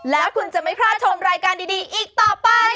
แล้วคุณจะไม่พลาดชมรายการดีอีกต่อไป